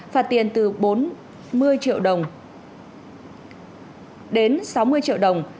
phạt tiền từ bốn mươi triệu đồng đến sáu mươi triệu đồng